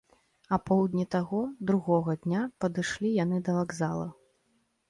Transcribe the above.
Апоўдні таго, другога, дня падышлі яны да вакзала.